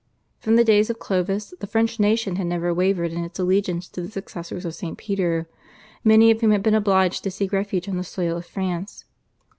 From the days of Clovis the French nation had never wavered in its allegiance to the successors of Saint Peter, many of whom had been obliged to seek refuge on the soil of France.